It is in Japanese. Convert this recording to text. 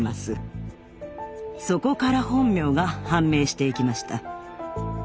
そこから本名が判明していきました。